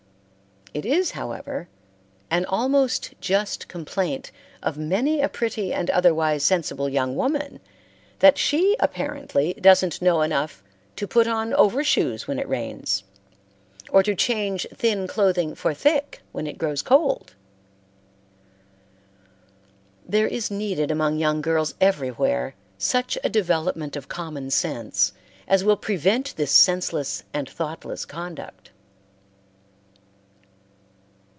It is, however, an almost just complaint of many a pretty and otherwise sensible young woman that she apparently doesn't know enough to put on overshoes when it rains, or to change thin clothing for thick when it grows cold. There is needed among young girls everywhere such a development of common sense as will prevent this senseless and thoughtless conduct.